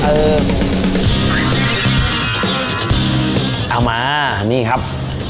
เอามานี่ครับ